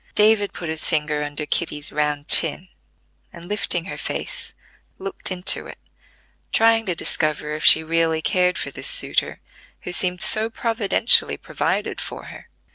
David put his finger under Kitty's round chin, and lifting her face looked into it, trying to discover if she really cared for this suitor who seemed so providentially provided for her.